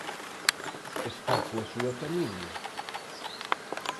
Está coa súa familia?